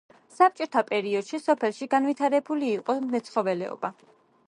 საბჭოთა პერიოდში სოფელში განვითარებული იყო მეცხოველეობა.